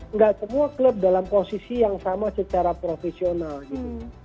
nggak semua klub dalam posisi yang sama secara profesional gitu